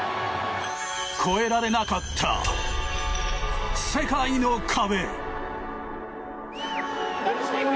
越えられなかった、世界の壁。